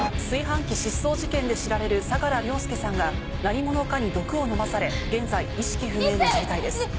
炊飯器失踪事件で知られる相良凌介さんが何者かに毒を飲まされ現在意識不明の重体です。